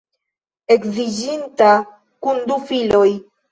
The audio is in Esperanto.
Edziĝinta kun du filoj.